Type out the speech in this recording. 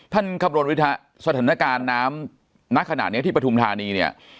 ท่านคำนวณวิทยาสถานการณ์น้ำนักขนาดนี้ที่ปฐุมธานีเนี่ย